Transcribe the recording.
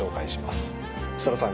設樂さん